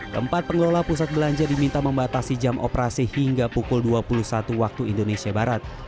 keempat pengelola pusat belanja diminta membatasi jam operasi hingga pukul dua puluh satu waktu indonesia barat